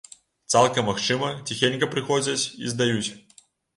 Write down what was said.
Цалкам магчыма, ціхенька прыходзяць і здаюць.